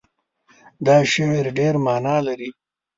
دا شعر ډېر معنا لري.